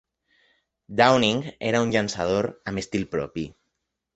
Downing era un llançador amb estil propi.